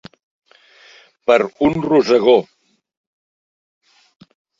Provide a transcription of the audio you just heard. Per un rosegó.